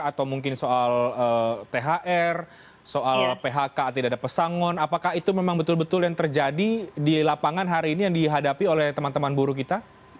atau mungkin soal thr soal phk tidak ada pesangon apakah itu memang betul betul yang terjadi di lapangan hari ini yang dihadapi oleh teman teman buruh kita